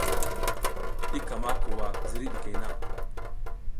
I ka ma kuwa ziriy ɗikey na.